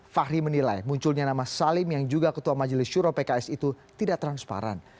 fahri menilai munculnya nama salim yang juga ketua majelis syuro pks itu tidak transparan